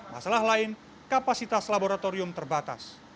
masalah lain kapasitas laboratorium terbatas